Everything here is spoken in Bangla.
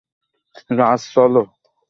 রাজ, চলো।